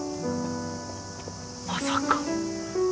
まさか。